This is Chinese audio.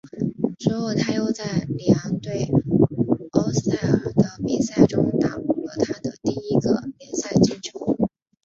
之后他又在里昂对欧塞尔的比赛中打入了他的第一个联赛进球。